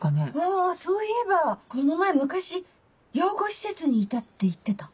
あそういえばこの前昔養護施設にいたって言ってた。